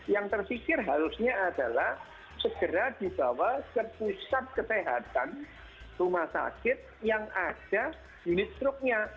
yang terfikir harusnya adalah segera dibawa ke pusat kesehatan rumah sakit yang ada unit struknya